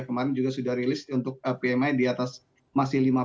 kemarin juga sudah rilis untuk pmi di atas masih lima